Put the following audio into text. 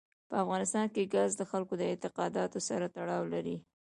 په افغانستان کې ګاز د خلکو د اعتقاداتو سره تړاو لري.